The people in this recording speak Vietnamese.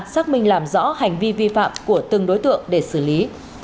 xác minh làm rõ hành vi vi phạm của từng đối tượng để xử lý